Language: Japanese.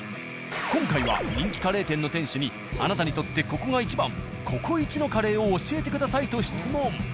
今回は人気カレー店の店主に「あなたにとってここが一番ここイチのカレーを教えてください！」と質問。